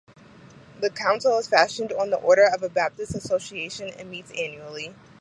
This council is fashioned on the order of a Baptist association and meets annually.